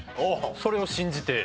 それを信じて。